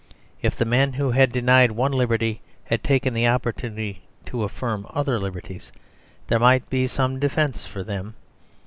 If the men who had denied one liberty had taken the opportunity to affirm other liberties, there might be some defence for them.